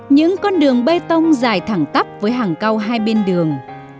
những con đường bê tông dài thẳng tắp với hàng cao hai bên đường